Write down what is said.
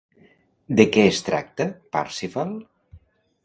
De què es tracta Parzival?